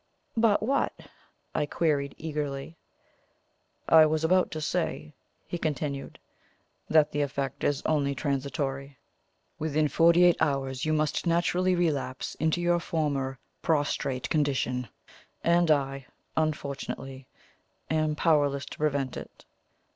"But what?" I queried eagerly. "I was about to say," he continued, "that the effect is only transitory. Within forty eight hours you must naturally relapse into your former prostrate condition, and I, unfortunately, am powerless to prevent it."